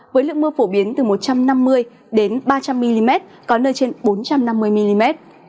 với lượng mưa phổ biến từ một trăm năm mươi đến ba trăm linh mm có nơi trên bốn trăm năm mươi mm